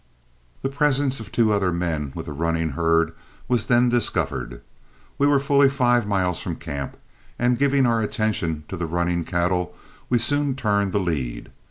The presence of two other men with the running herd was then discovered. We were fully five miles from camp, and giving our attention to the running cattle we soon turned the lead.